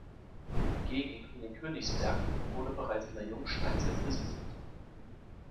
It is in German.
Die Gegend um den Königsberg wurde bereits in der Jungsteinzeit besiedelt.